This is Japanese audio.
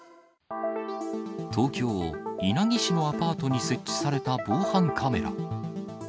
東京・稲城市のアパートに設置された防犯カメラ。